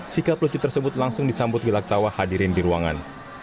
sikap lucu tersebut langsung disambut gelak tawa hadirin di ruangan